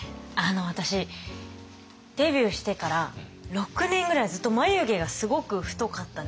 私デビューしてから６年ぐらいずっと眉毛がすごく太かったんですよ。